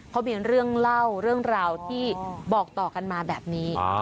เขามีเรื่องเล่าเรื่องราวที่บอกต่อกันมาแบบนี้